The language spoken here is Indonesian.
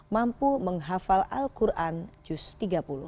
mampu menghafal al quran juz tiga puluh